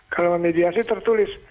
kalau memediasi tertulis